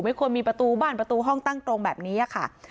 ควรมีประตูบ้านประตูห้องตั้งตรงแบบนี้ค่ะ